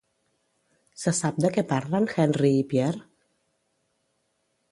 Se sap de què parlen Henri i Pierre?